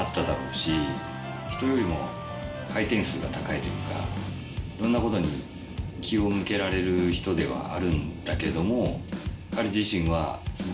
しひとよりも回転数が高いというかいろんなことに気を向けられる人ではあるんだけども。